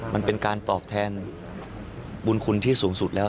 มันเป็นการตอบแทนบุญคุณที่สูงสุดแล้ว